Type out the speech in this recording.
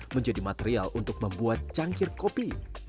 menjadi material untuk membuat cangkir kopi